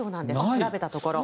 調べたところ。